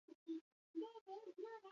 Fitxa pertsonala eta kirol-ibilbidea.